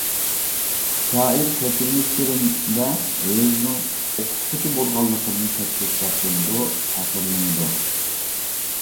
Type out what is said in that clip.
شائىر «كەچۈرمىشلىرىم» دە، ئۆزىنىڭ ئوقۇتقۇچى بولغانلىقىدىن چەكسىز شادلىنىدۇ، پەخىرلىنىدۇ.